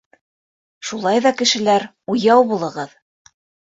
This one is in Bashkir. Шулай ҙа, кешеләр, уяу булығыҙ.